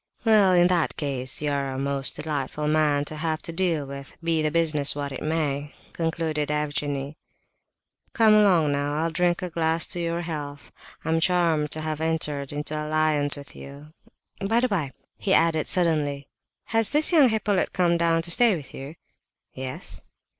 "Well, in any case, you are a most delightful man to have to deal with, be the business what it may," concluded Evgenie. "Come along now, I'll drink a glass to your health. I'm charmed to have entered into alliance with you. By the by," he added suddenly, "has this young Hippolyte come down to stay with you?" "Yes."